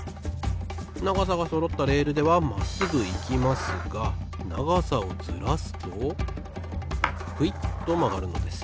ながさがそろったレールではまっすぐいきますがながさをずらすとクイッとまがるのです。